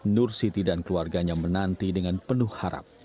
nur siti dan keluarganya menanti dengan penuh harap